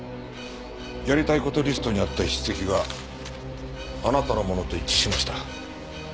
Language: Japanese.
やりたいことリストにあった筆跡があなたのものと一致しました。